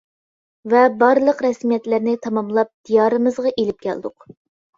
ۋە بارلىق رەسمىيەتلەرنى تاماملاپ دىيارىمىزغا ئېلىپ كەلدۇق.